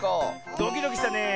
ドキドキしたねえ。